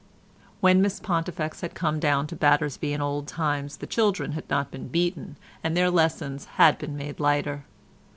When Miss Pontifex had come down to Battersby in old times the children had not been beaten, and their lessons had been made lighter.